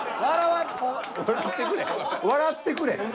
笑ってくれ。